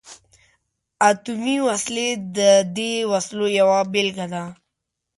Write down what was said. اتمي وسلې د دې وسلو یوه بیلګه ده.